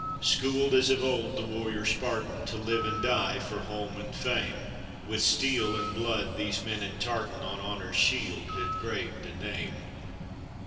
Schooled as of old the warrior Spartan, To live and die for home and fame, With steel, in blood, these men in tartan On honor's shield have graved a name.